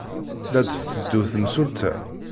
La d-tetteddu temsulta.